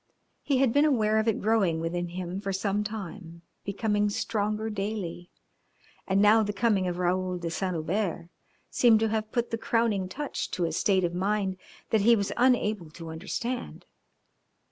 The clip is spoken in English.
He had been aware of it growing within him for some time, becoming stronger daily, and now the coming of Raoul de Saint Hubert seemed to have put the crowning touch to a state of mind that he was unable to understand.